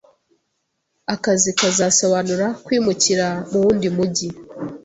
Akazi kazasobanura kwimukira mu wundi mujyi.